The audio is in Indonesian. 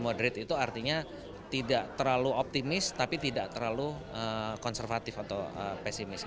moderate itu artinya tidak terlalu optimis tapi tidak terlalu konservatif atau pesimis